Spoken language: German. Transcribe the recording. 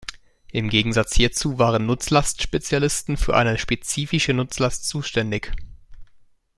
Im Gegensatz hierzu waren Nutzlastspezialisten für eine spezifische Nutzlast zuständig.